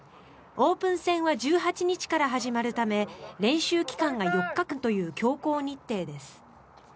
オープン戦は１８日から始まるため練習期間が４日間という強行日程です。